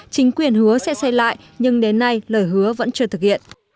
chính quyền hứa sẽ xây lại nhưng đến nay lời hứa vẫn chưa thực hiện